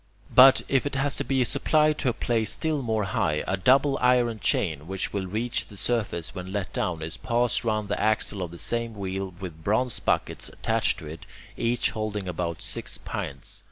But, if it has to be supplied to a place still more high, a double iron chain, which will reach the surface when let down, is passed round the axle of the same wheel, with bronze buckets attached to it, each holding about six pints.